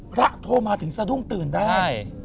พระโทรมาถึงสะดุ้งตื่นได้บ๊วยบ๊วยใช่